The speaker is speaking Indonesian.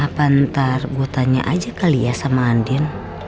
apa ntar gua tanya aja kali ya sama andien